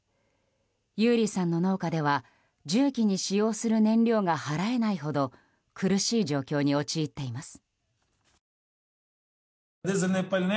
ユーリィさんの農家では重機に使用する燃料が払えないほど苦しい状況に陥っています。